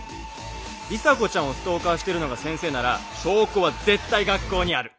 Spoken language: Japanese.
里紗子ちゃんをストーカーしてるのが先生なら証拠は絶対学校にある！